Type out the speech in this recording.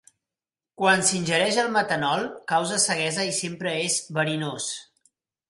Quan s'ingereix, el metanol causa ceguesa i sempre és verinós.